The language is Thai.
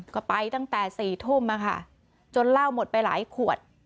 ก็ไปตั้งแต่๔ทุ่มจนเหล้าหมดไปหลายขวด